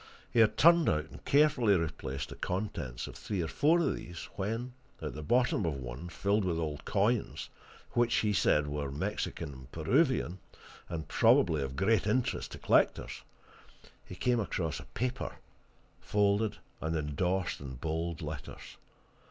He had turned out, and carefully replaced, the contents of three or four of these, when, at the bottom of one, filled with old coins, which, he said, were Mexican and Peruvian, and probably of great interest to collectors, he came across a paper, folded and endorsed in bold letters.